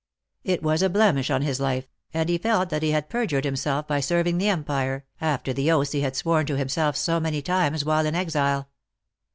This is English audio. It was a blemish on his life, and he felt that he had perjured himself by serving the Empire, after the oaths he had sworn to him self so many times while in exile.